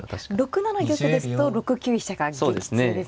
６七玉ですと６九飛車が激痛ですね。